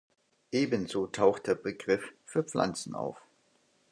Ebenso taucht der Begriff für Pflanzen auf.